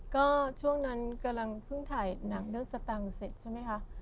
ก็ช่วงนั้นกำลังเพิ่งถ่ายหนังเรื่องสตังค์เสร็จใช่ไหมคะ